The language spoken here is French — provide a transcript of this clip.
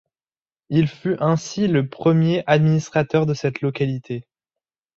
Il fut ainsi le premier administrateur de cette localité.